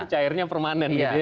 cairnya permanen gitu ya